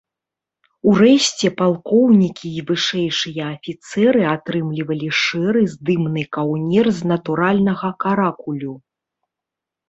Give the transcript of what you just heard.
Урэшце палкоўнікі і вышэйшыя афіцэры атрымлівалі шэры здымны каўнер з натуральнага каракулю.